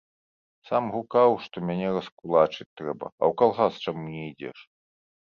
Сам гукаў, што мяне раскулачыць трэба, а ў калгас чаму не ідзеш?